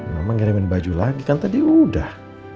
mama ngirimin baju lagi kan tadi udah